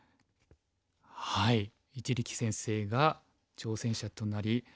一力先生が挑戦者となり。